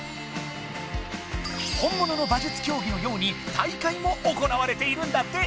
本ものの馬術競技のように大会も行われているんだって！